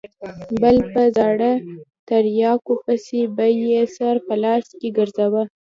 بل په زاړه تریاکو پسې به یې سر په لاس کې ګرځاوه.